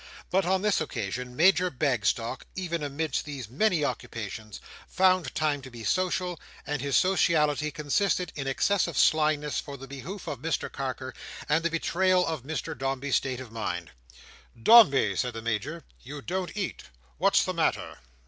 But on this occasion, Major Bagstock, even amidst these many occupations, found time to be social; and his sociality consisted in excessive slyness for the behoof of Mr Carker, and the betrayal of Mr Dombey's state of mind. "Dombey," said the Major, "you don't eat; what's the matter?"